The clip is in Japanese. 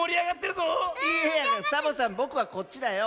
いやサボさんぼくはこっちだよ。